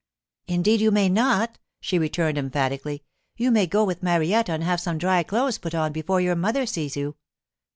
'Indeed you may not,' she returned emphatically. 'You may go with Marietta and have some dry clothes put on before your mother sees you.